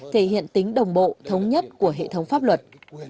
thể hiện tính đồng bộ thống nhất của hệ thống pháp luật